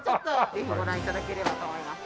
ぜひご覧頂ければと思います。